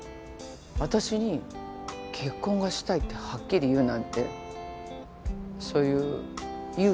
私に結婚がしたいってはっきり言うなんてそういう勇気っていうか